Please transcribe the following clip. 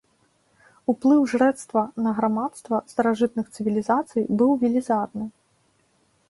Уплыў жрэцтва на грамадства старажытных цывілізацый быў велізарны.